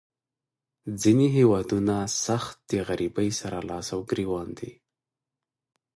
ځینې هیوادونه سخت د غریبۍ سره لاس او ګریوان دي.